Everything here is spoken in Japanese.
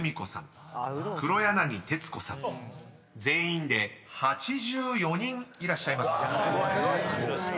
［全員で８４人いらっしゃいます］